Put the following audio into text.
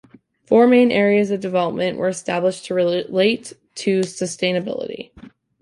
Four main areas of development were established to relate to sustainability.